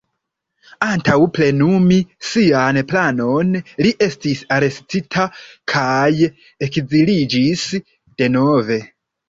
Antaŭ plenumi sian planon, li estis arestita kaj ekziliĝis denove.